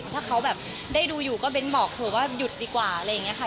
ถ้าเขาแบบได้ดูอยู่ก็เน้นบอกเถอะว่าหยุดดีกว่าอะไรอย่างนี้ค่ะ